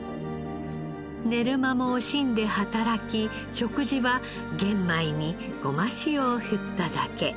寝る間も惜しんで働き食事は玄米にゴマ塩を振っただけ。